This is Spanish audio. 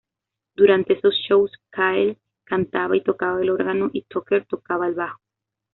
Durante esos shows, Cale cantaba y tocaba el órgano y Tucker tocaba el bajo.